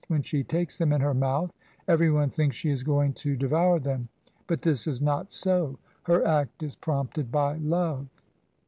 When she takes them in her mouth, every one thinks she is going to devour them, but this is not so. Her act is prompted by love.